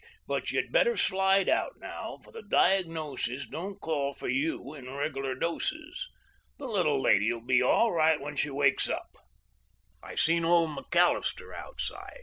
But you'd better slide out now; for the diagnosis don't call for you in regular doses. The little lady'll be all right when she wakes up.' "I seen old McAllister outside.